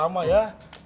neng rayate itu